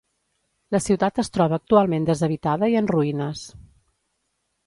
La ciutat es troba actualment deshabitada i en ruïnes.